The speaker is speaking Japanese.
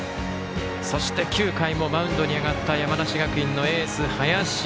そして９回もマウンドに上がった山梨学院のエース、林。